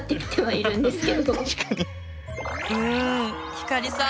ひかりさん